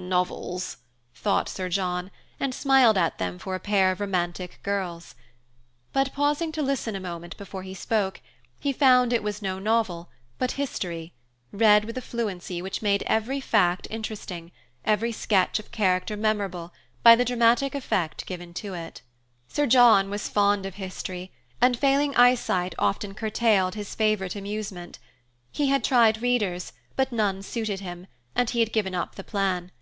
"Novels!" thought Sir John, and smiled at them for a pair of romantic girls. But pausing to listen a moment before he spoke, he found it was no novel, but history, read with a fluency which made every fact interesting, every sketch of character memorable, by the dramatic effect given to it. Sir John was fond of history, and failing eyesight often curtailed his favorite amusement. He had tried readers, but none suited him, and he had given up the plan.